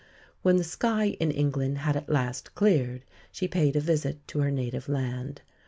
When the sky in England had at last cleared she paid a visit to her native land.